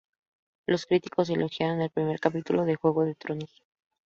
Los críticos elogiaron el primer capítulo de "Juego de tronos".